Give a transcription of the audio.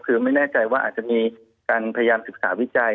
คือไม่แน่ใจว่าอาจจะมีการพยายามศึกษาวิจัย